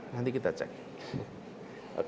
nanti kita cek